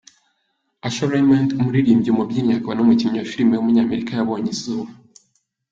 Usher Raymond, umuririmbyi, umubyinnyi akaba n’umukinnyi wa filime w’umunyamerika yabonye izuba.